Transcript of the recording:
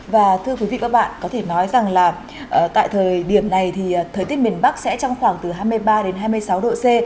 và thưa quý vị và các bạn có thể nói rằng là tại thời điểm này thì thời tiết miền bắc sẽ trong khoảng từ hai mươi ba đến hai mươi sáu độ c